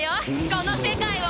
この世界を！